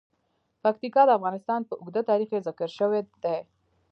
پکتیکا د افغانستان په اوږده تاریخ کې ذکر شوی دی.